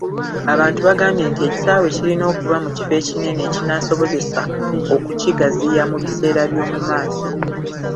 Abantu baagambye nti ekisaawe kirina okuba mu kifo ekinene ekinaasobozesa okukigaziya mu biseera by'omu maaso.